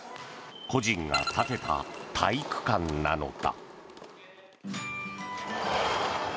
個人が建てた体育館なのだ。